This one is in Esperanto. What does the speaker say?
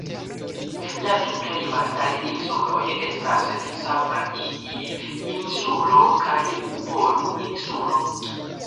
La du plej vastaj insuloj estas Savaii-Insulo kaj Upolu-Insulo.